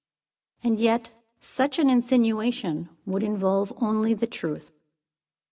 And yet such an insinuation would involve only the truth.